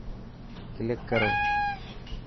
ڪلڪ ڪرو.